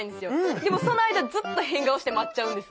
でもその間ずっと変顔して待っちゃうんです。